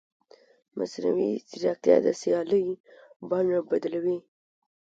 مصنوعي ځیرکتیا د سیالۍ بڼه بدلوي.